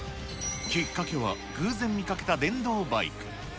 きっかけは、偶然見かけた電動バイク。